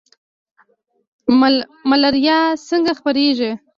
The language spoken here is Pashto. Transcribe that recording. ملاریا څنګه خپریږي؟